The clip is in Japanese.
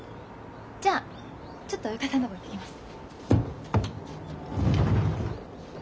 じゃあちょっと親方のとこ行ってきます。